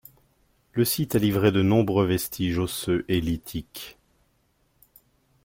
Le site a livré de nombreux vestiges osseux et lithiques.